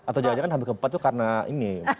atau jadinya kan kehamilan keempat itu karena ini